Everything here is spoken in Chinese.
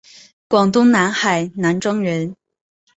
广东南海南庄人。